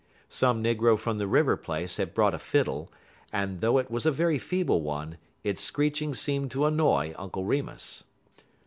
Some negro from the River place had brought a fiddle, and, though it was a very feeble one, its screeching seemed to annoy Uncle Remus.